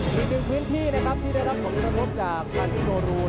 มีหนึ่งพื้นที่ที่ได้รับของวิทยาลัพธ์จากภาคมิโกรู